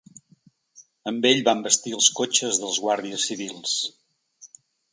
Amb ell va envestir els cotxes dels guàrdies civils.